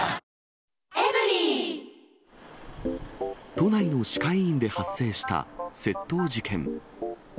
都内の歯科医院で発生した窃盗事件。